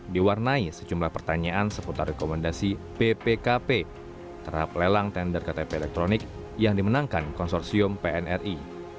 diwarnai sejumlah pertanyaan seputar rekomendasi bpkp terhadap lelang tender ktp elektronik yang dimenangkan konsorsium pnri